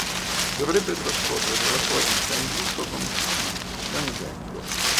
Dovrebbe trascorrere la sua vita in lutto continuo, piangendo.